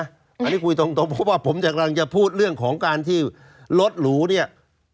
อันนี้คุยตรงเพราะว่าผมกำลังจะพูดเรื่องของการที่รถหรูเนี่ย